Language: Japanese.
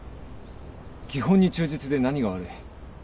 基本に忠実で何が悪い。